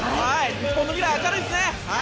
日本の未来は明るいですね。